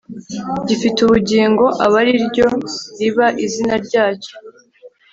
gifite ubugingo, aba ari iryo riba izina ryacyo